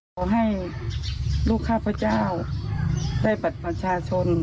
ขอให้ลูกข้าพเจ้าได้บัตรประชาชน